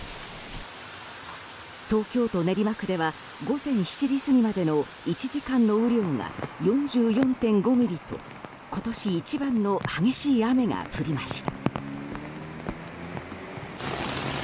東京都練馬区では午前７時過ぎまでの１時間の雨量が４４．５ミリと今年一番の激しい雨が降りました。